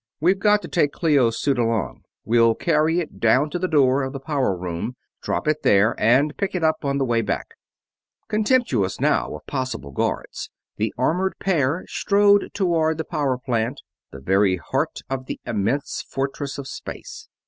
We've got to take Clio's suit along we'll carry it down to the door of the power room, drop it there, and pick it up on the way back." Contemptuous now of possible guards, the armored pair strode toward the power plant the very heart of the immense fortress of space.